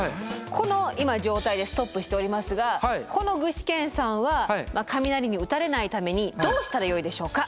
この今状態でストップしておりますがこの具志堅さんは雷に打たれないためにどうしたらよいでしょうか？